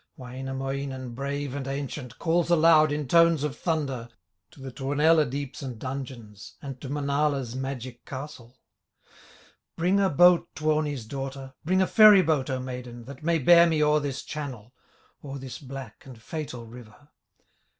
Wainamoinen, brave and ancient, Calls aloud in tones of thunder, To the Tuonela deeps and dungeons, And to Manala's magic castle: "Bring a boat, Tuoni's daughter, Bring a ferry boat, O maiden, That may bear me o'er this channel, O'er this black and fatal river."